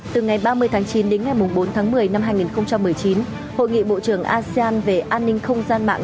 từ ngày ba mươi tháng chín đến ngày bốn tháng một mươi năm hai nghìn một mươi chín hội nghị bộ trưởng asean về an ninh không gian mạng